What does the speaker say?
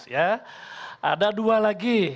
ya ada dua lagi